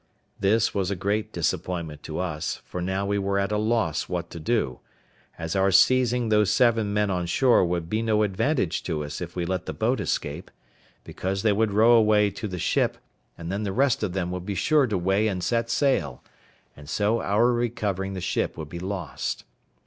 This was a great disappointment to us, for now we were at a loss what to do, as our seizing those seven men on shore would be no advantage to us if we let the boat escape; because they would row away to the ship, and then the rest of them would be sure to weigh and set sail, and so our recovering the ship would be lost.